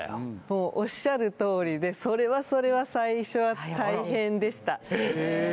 もうおっしゃるとおりでそれはそれは最初は大変でした